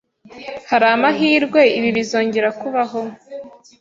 Hari amahirwe ibi bizongera kubaho?